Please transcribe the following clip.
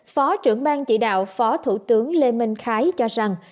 phó trưởng ban chỉ đạo phó thủ tướng lê minh khái cho rằng